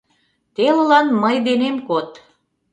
— Телылан мый денем код.